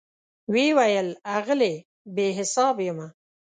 وی ویل آغلې , بي حساب یمه